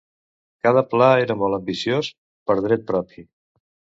Cada pla era molt ambiciós per dret propi.